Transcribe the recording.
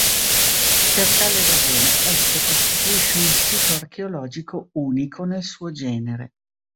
Per tale ragione, esso costituisce un sito archeologico unico nel suo genere.